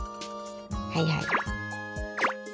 はいはい。